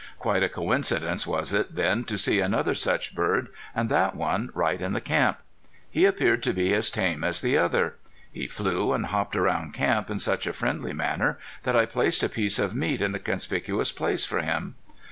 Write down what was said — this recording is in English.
Quite a coincidence was it then to see another such bird and that one right in camp. He appeared to be as tame as the other. He flew and hopped around camp in such a friendly manner that I placed a piece of meat in a conspicuous place for him.